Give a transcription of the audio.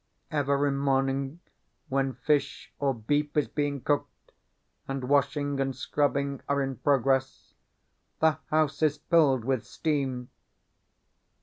Every morning, when fish or beef is being cooked, and washing and scrubbing are in progress, the house is filled with steam.